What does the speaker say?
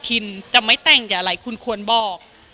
คินจะไม่แต่งอย่าอะไรคุณควรบอก